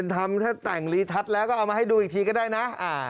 ทำถ้าแต่งรีทัศน์แล้วก็เอามาให้ดูอีกทีก็ได้นะ